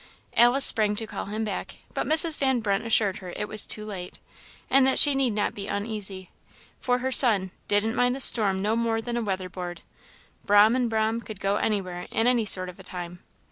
Alice sprang to call him back, but Mrs. Van Brunt assured her it was too late, and that she need not be uneasy, for her son "didn't mind the storm no more than a weather board. 'Brahm and 'Brahm could go anywhere in any sort of a time.